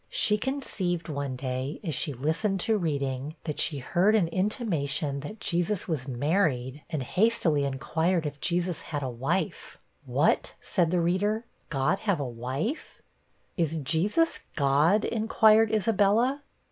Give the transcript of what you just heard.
She conceived, one day, as she listened to reading, that she heard an intimation that Jesus was married, and hastily inquired if Jesus had a wife. 'What!' said the reader, 'God have a wife?' 'Is Jesus God? ' inquired Isabella.